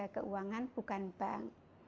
pemerintah keuangan bukan bank